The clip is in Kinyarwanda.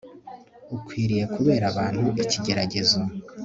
ukwiriye kubera abantu ikigeragezo